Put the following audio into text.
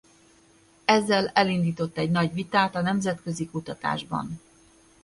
Ezzel elindított egy nagy vitát a nemzetközi kutatásban.